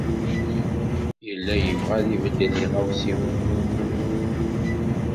Yella yebɣa ad ibeddel tiɣawsiwin.